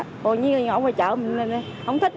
tồi nhiên ngồi ngoài chợ mình không thích